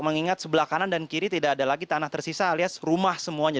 mengingat sebelah kanan dan kiri tidak ada lagi tanah tersisa alias rumah semuanya